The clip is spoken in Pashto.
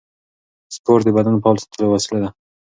سپورت د بدن فعال ساتلو وسیله ده.